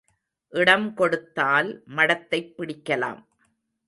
இடம் கொடுத்தால் மடத்தைப் பிடிக்கலாம்.